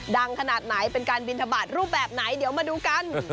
ขนาดไหนเป็นการบินทบาทรูปแบบไหนเดี๋ยวมาดูกัน